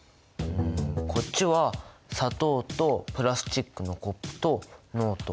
こっちは砂糖とプラスチックのコップとノート。